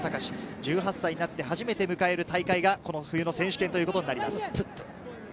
１８歳になって初めて迎える大会がこの冬の選手権ということになります。